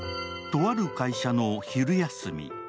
とある会社の昼休み。